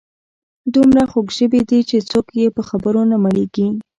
دومره خوږ ژبي دي چې څوک یې په خبرو نه مړیږي.